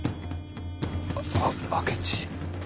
ああ明智。